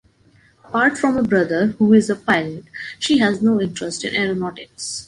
Apart from a brother who is a pilot, she has no interest in aeronautics.